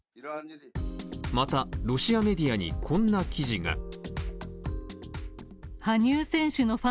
また、ロシアメディアにこんな記事が。